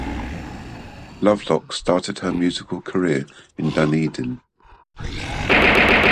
Lovelock started her musical career in Dunedin.